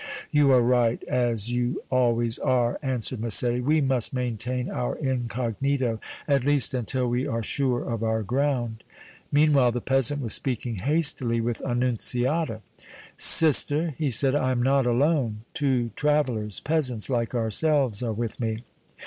"You are right, as you always are," answered Massetti. "We must maintain our incognito, at least until we are sure of our ground." Meanwhile the peasant was speaking hastily with Annunziata. "Sister," he said, "I am not alone; two travelers, peasants like ourselves, are with me.